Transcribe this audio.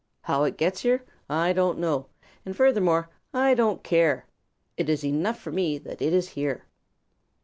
How it gets here, I don't know, and furthermore I don't care. It is enough for me that it is here."